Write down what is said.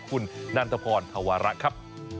คุณนันทพรธวาระครับ